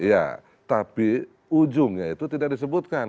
ya tapi ujungnya itu tidak disebutkan